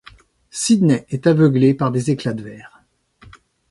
Sydney est aveuglé par des éclats de verre.